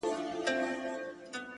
ه یاره دا زه څه اورمه، څه وینمه،